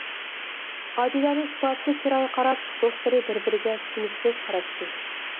ئادىلەنىڭ ئىپادىسىز چىرايىغا قاراپ، دوستلىرى بىر-بىرىگە چۈشىنىكسىز قاراشتى.